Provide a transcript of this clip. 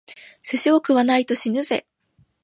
寿司を食わないと死ぬぜ！